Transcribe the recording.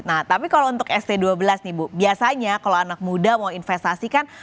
nah tapi kalau untuk st dua belas nih bu biasanya kalau anak muda mau investasi kan